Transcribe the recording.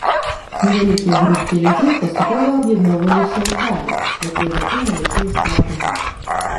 Невялікія групкі людзей паступова аб'ядноўваліся ў атрады, якія затым увайшлі ў склад брыгад.